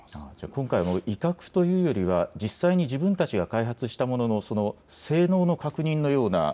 今回、威嚇というよりは実際に自分たちが開発したものの性能の確認のような。